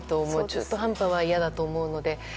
中途半端は嫌だと思うので。